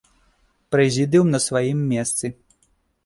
Прэзідыум на сваім месцы.